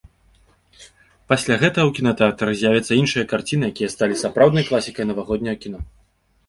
Пасля гэтага ў кінатэатрах з'явяцца і іншыя карціны, якія сталі сапраўднай класікай навагодняга кіно.